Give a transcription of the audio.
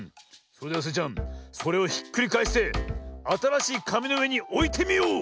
それではスイちゃんそれをひっくりかえしてあたらしいかみのうえにおいてみよう！